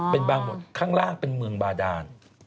เป็นบางบทข้างล่างเป็นเมืองบาดาน